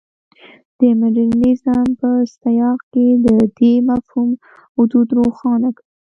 د مډرنیزم په سیاق کې د دې مفهوم حدود روښانه کړي.